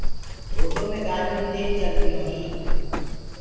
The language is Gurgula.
روڊو مي گآڏيونٚ تيج چلديونٚ هينٚ